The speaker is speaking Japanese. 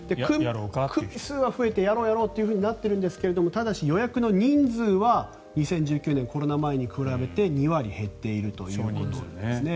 組数が増えてやろうとなっているんですがただし予約の人数は２０１９年、コロナ前に比べて２割減っているということなんですね。